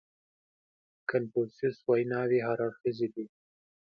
• د کنفوسیوس ویناوې هر اړخیزې دي.